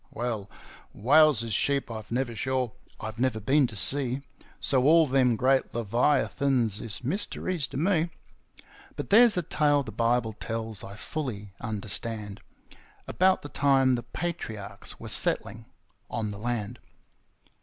Well, whales is sheep I've never shore; I've never been to sea, So all them great Leviathans is mysteries to me; But there's a tale the Bible tells I fully understand, About the time the Patriarchs were settling on the land.